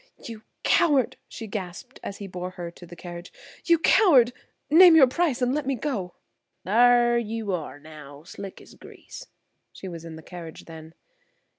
"You coward!" she gasped, as he bore her to the carriage. "You coward! Name your price, and let me go." "Thar you are, now, slick as grease." She was in the carriage then.